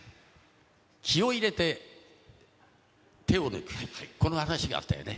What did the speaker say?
気を入れて、手を抜く、この話があったよね。